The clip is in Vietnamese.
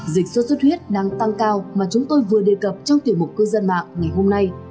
dịch sốt xuất huyết đang tăng cao mà chúng tôi vừa đề cập trong tiểu mục cư dân mạng ngày hôm nay